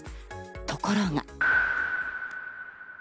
ところが。